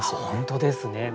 本当ですね。